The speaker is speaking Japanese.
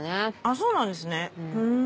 そうなんですねふん。